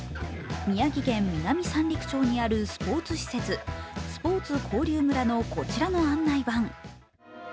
宮城県南三陸町にあるスポーツ施設スポーツ交流村のこちらの案内板。